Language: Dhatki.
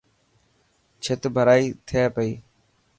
ڇٿ ڀرائي ٿي پئي.